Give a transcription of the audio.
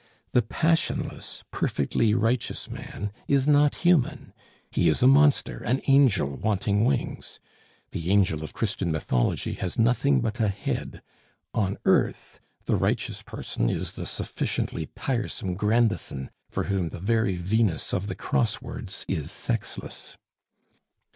The passionless, perfectly righteous man is not human; he is a monster, an angel wanting wings. The angel of Christian mythology has nothing but a head. On earth, the righteous person is the sufficiently tiresome Grandison, for whom the very Venus of the Crosswords is sexless.